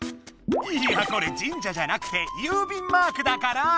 いやこれ神社じゃなくて郵便マークだから！